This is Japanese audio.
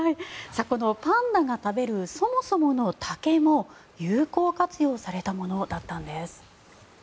このパンダ食べるそもそもの竹も有効活用されたものだったんです。